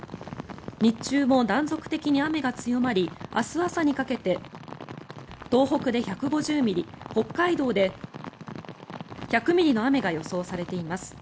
日中も断続的に雨が強まり明日朝にかけて東北で１５０ミリ北海道で１００ミリの雨が予想されています。